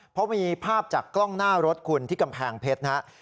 เพราะมีภาพจากกล้องหน้ารถคุณที่กำแพงเพชรนะครับ